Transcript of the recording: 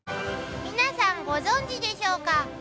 「みなさんご存じでしょうか」